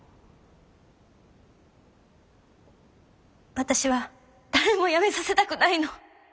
私は誰もやめさせたくないの。